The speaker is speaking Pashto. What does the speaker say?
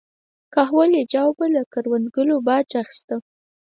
کهول اجاو به له کروندګرو باج اخیسته